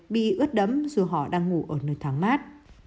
bị ướt đấm dù họ đang ngủ ở nơi thoáng mát